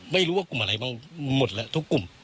ไม่รู้ว่ากลุ่มอะไรบ้างหมดแล้วทุกกลุ่ม